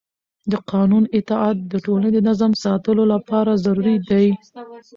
د قانون اطاعت د ټولنې د نظم د ساتلو لپاره ضروري دی